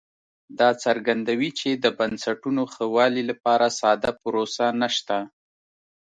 دا څرګندوي چې د بنسټونو ښه والي لپاره ساده پروسه نشته